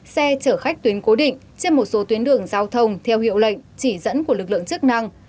xe chở khách tuyến cố định trên một số tuyến đường giao thông theo hiệu lệnh chỉ dẫn của lực lượng chức năng